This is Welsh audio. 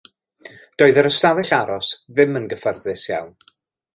Doedd yr ystafell aros ddim yn gyfforddus iawn.